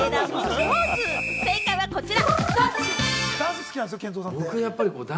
正解はこちら！